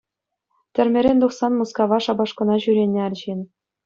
Тӗрмерен тухсан Мускава шапашкӑна ҫӳренӗ арҫын.